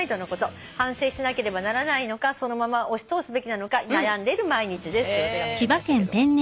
「反省しなければならないのかそのまま押し通すべきなのか悩んでる毎日です」というお手紙来ましたけども。